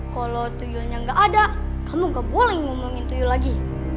kalau tuyulnya gak ada kamu gak boleh ngomongin tuyul lagi